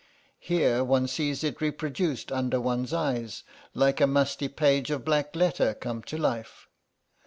Here one sees it reproduced under one's eyes, like a musty page of black letter come to life.